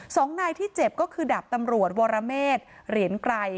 สองนายที่เจ็บก็คือดาบตำรวจวรเมษเหรียญไกร